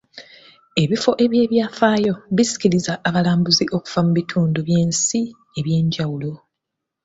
Ebifo eby'ebyafaayo bisikiriza abalambuzi okuva mu bitundu by'ensi eby'enjawulo.